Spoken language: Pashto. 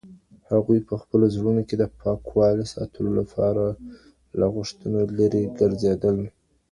هغوی په خپلو زړونو کي د پاکوالي ساتلو لپاره له غوښتنو لیري ګرځېدل.